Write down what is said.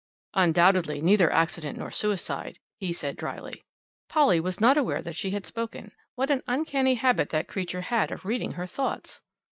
"Undoubtedly neither accident nor suicide," he said dryly. Polly was not aware that she had spoken. What an uncanny habit that creature had of reading her thoughts!